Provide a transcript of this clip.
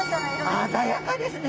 鮮やかですね。